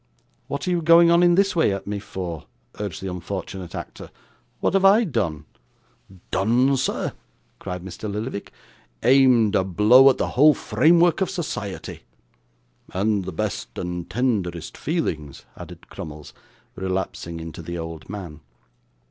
'What are you going on in this way at me for?' urged the unfortunate actor. 'What have I done?' 'Done, sir!' cried Mr. Lillyvick, 'aimed a blow at the whole framework of society ' 'And the best and tenderest feelings,' added Crummles, relapsing into the old man.